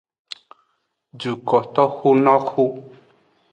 Dukotoxunoxu.